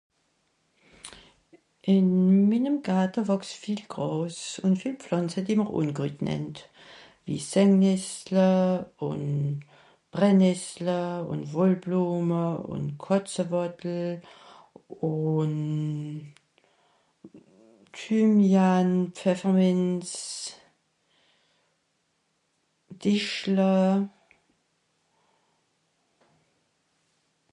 Ìn minem Garte wàchst vìel Gràs, ùn vìel Pflànze, die m'r Unkrütt nennt, wie (...), ùn... Brennìssla, ùn Wohlblùma, ùn (...), ùn... Thymian, Pfeffermìnz... (...).